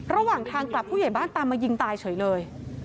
ระหว่างทางกลับผู้ใหญ่บ้านตามมายิงตายเฉยเลย